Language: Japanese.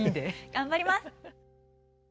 頑張ります。